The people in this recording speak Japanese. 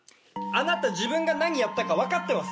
あなた自分が何やったか分かってます？